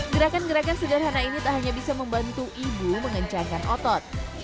gerakan gerakan sederhana ini tak hanya bisa membantu ibu mengencangkan otot